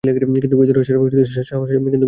কিন্তু ভেতরে আসার সাহস আছে আপনার?